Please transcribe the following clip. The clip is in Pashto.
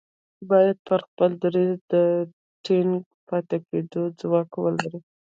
بايد پر خپل دريځ د ټينګ پاتې کېدو ځواک ولري.